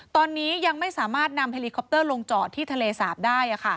ตอนนี้ยังไม่สามารถนำเฮลิคอปเตอร์ลงจอดที่ทะเลสาบได้